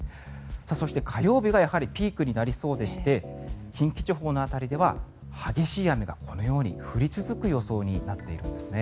そして、火曜日がやはりピークになりそうでして近畿地方の辺りでは激しい雨がこのように降り続く予想になっているんですね。